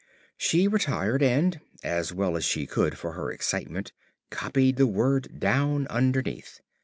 She retired, and as well as she could for her excitement copied the word down underneath.